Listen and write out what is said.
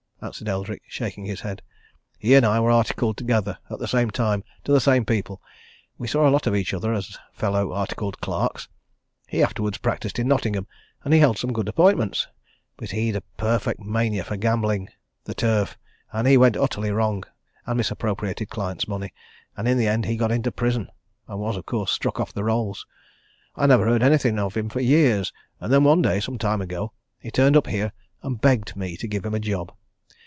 answered Eldrick, shaking his head. "He and I were articled together, at the same time, to the same people: we saw a lot of each other as fellow articled clerks. He afterwards practised in Nottingham, and he held some good appointments. But he'd a perfect mania for gambling the turf and he went utterly wrong, and misappropriated clients' money, and in the end he got into prison, and was, of course, struck off the rolls. I never heard anything of him for years, and then one day, some time ago, he turned up here and begged me to give him a job.